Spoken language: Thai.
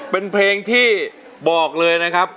เป็นเพลงที่บอกเลยนะครับ